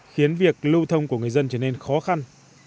khiến việc lưu thông của người dân trở nên khó khăn